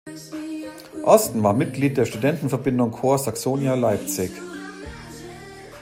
Osten war Mitglied der Studentenverbindung Corps Saxonia Leipzig.